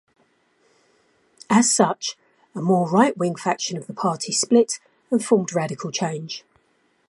As such, a more right-wing faction of the party split and formed Radical Change.